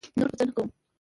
نور به څه نه کووم.